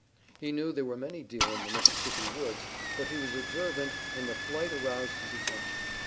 He knew there were many deer in the Mississippi woods, but he was observant and the flight aroused his attention.